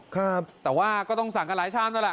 ครับแต่ว่าก็ต้องสั่งกันหลายชามนั่นแหละ